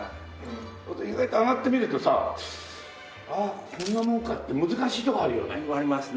意外とあがってみるとさ「ああこんなもんか」って難しいとこあるよね。ありますね。